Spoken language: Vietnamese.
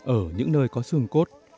ở những nơi có xương cốt